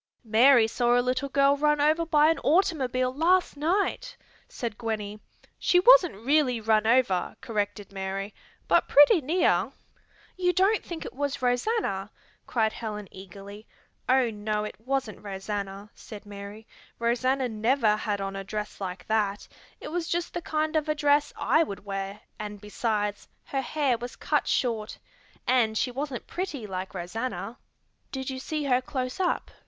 "Mary saw a little girl run over by an automobile last night," said Gwenny. "She wasn't really run over," corrected Mary, "but pretty near." "You don't think it was Rosanna?" cried Helen eagerly. "Oh, no, it wasn't Rosanna," said Mary. "Rosanna never had on a dress like that; it was just the kind of a dress I would wear and, besides, her hair was cut short. And she wasn't pretty like Rosanna." "Did you see her close up?"